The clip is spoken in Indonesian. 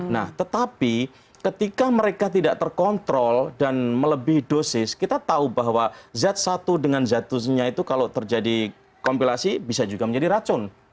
nah tetapi ketika mereka tidak terkontrol dan melebihi dosis kita tahu bahwa zat satu dengan z dua nya itu kalau terjadi kompilasi bisa juga menjadi racun